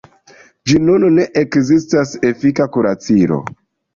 Ĝis nun ne ekzistas efika kuracilo.